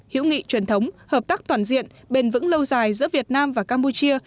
hữu nghị truyền thống hợp tác toàn diện bền vững lâu dài giữa việt nam và campuchia